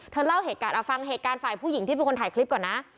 เล่าเหตุการณ์เอาฟังเหตุการณ์ฝ่ายผู้หญิงที่เป็นคนถ่ายคลิปก่อนนะ